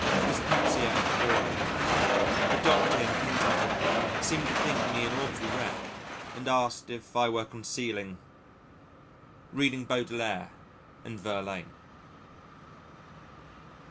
Dyspepsia appalling. The Doctor in Kensington seemed to think me an awful wreck and asked if I were concealing Reading Baudelaire and Verlaine.